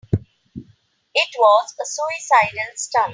It was a suicidal stunt.